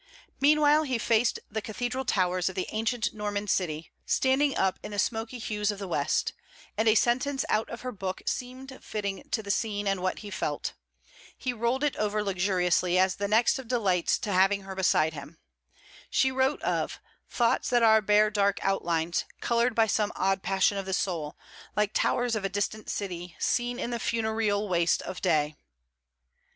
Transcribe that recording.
Meanwhile he faced the cathedral towers of the ancient Norman city, standing up in the smoky hues of the West; and a sentence out of her book seemed fitting to the scene and what he felt. He rolled it over luxuriously as the next of delights to having her beside him. She wrote of; 'Thoughts that are bare dark outlines, coloured by some odd passion of the soul, like towers of a distant city seen in the funeral waste of day.'